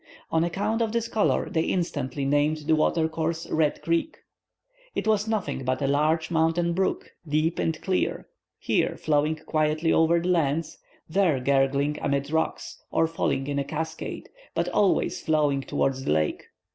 On account of this color, they instantly named the water course Red Creek. It was nothing but a large mountain brook, deep and clear, here, flowing quietly over the lands, there, gurgling amid rocks, or falling in a cascade, but always flowing towards the lake.